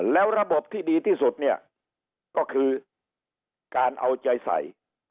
แล้วระบบที่ดีที่สุดเนี่ยก็คือการเอาใจใส่